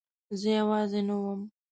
زه یوازې نه وم.